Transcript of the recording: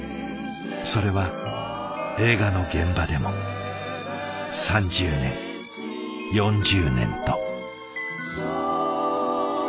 それは映画の現場でも３０年４０年と。